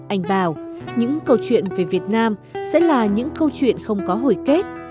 anh bảo những câu chuyện về việt nam sẽ là những câu chuyện không có hồi kết